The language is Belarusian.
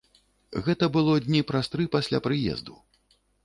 Гэта было дні праз тры пасля прыезду.